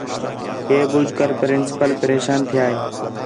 ہے ٻُجھ کر پرنسپل پریشان تِھیا ہے